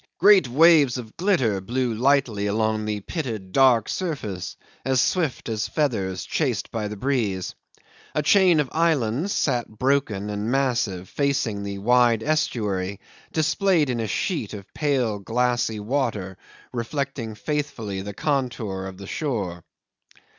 Great waves of glitter blew lightly along the pitted dark surface, as swift as feathers chased by the breeze. A chain of islands sat broken and massive facing the wide estuary, displayed in a sheet of pale glassy water reflecting faithfully the contour of the shore.